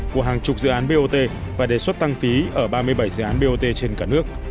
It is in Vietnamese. của hàng chục dự án bot và đề xuất tăng phí ở ba mươi bảy dự án bot trên cả nước